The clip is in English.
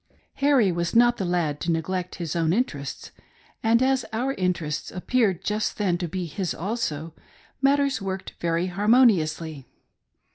Harry was not the lad to neglect his own interests, and as our interests appeared just then to be his also, matters worked very harmoniously.